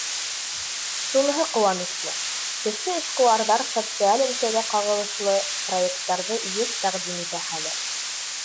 Шуныһы ҡыуаныслы: кесе эшҡыуарҙар социаль өлкәгә ҡағылышлы проекттарҙы йыш тәҡдим итә хәҙер.